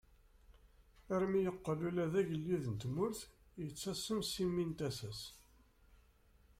Armi yeqqel ula d agellid n tmurt yettasem si mmi n tasa-s.